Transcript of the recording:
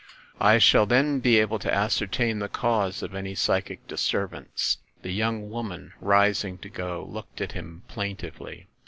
I shall then be able to ascertain the cause of any psychic disturbance." The young woman, rising to go, looked at him plain tively.